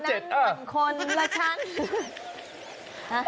ก็รับน้ำหนังคนละชั้น